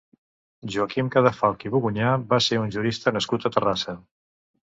Joaquim Cadafalch i Bugunyà va ser un jurista nascut a Terrassa.